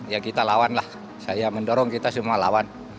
ya kita lawan lah saya mendorong kita semua lawan